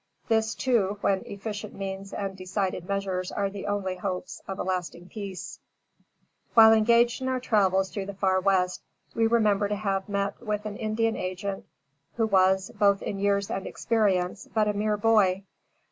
This, too, when efficient means and decided measures are the only hopes of a lasting peace. [Illustration: FORT MASSACHUSETTS, NEW MEXICO, IN 1855.] While engaged in our travels through the far West, we remember to have met with an Indian agent who was, both in years and experience, but a mere boy.